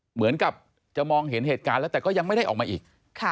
เหมือนกับจะมองเห็นเหตุการณ์แล้วแต่ก็ยังไม่ได้ออกมาอีก